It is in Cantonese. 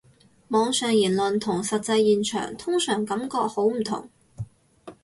網上言論同實際現場通常感覺好唔同